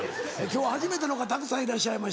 今日初めての方たくさんいらっしゃいまして。